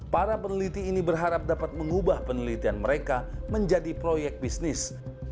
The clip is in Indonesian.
para peneliti ini berharap dapat mengubah penelitian mereka menjadi proyek bisnis